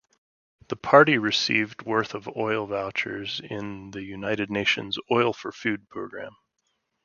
The party received worth of oil vouchers in the United Nations Oil-for-Food Programme.